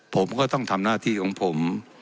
ผมก็ต้องทำหน้าที่ของผม